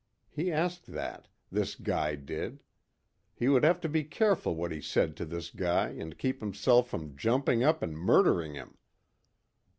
He asked that, this guy did! He would have to be careful what he said to this guy and keep himself from jumping up and murdering him.